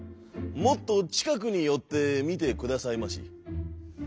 もっとちかくによってみてくださいまし」。